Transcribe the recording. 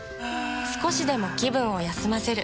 少しでも気分を休ませる。